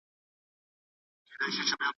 موږ باید د بحرانونو پر وړاندي چمتو اوسو.